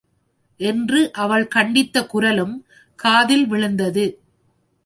என்று அவள் கண்டித்த குரலும் காதில் விழுந்தது.